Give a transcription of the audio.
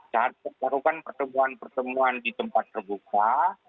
dan melakukan pertemuan pertemuan di tempat terbuka